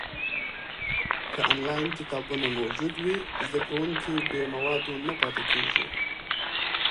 که انلاین کتابونه موجود وي، زده کوونکي بې موادو نه پاته کېږي.